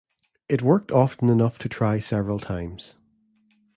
It worked often enough to try several times.